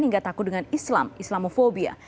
hingga takut dengan islam islamofobia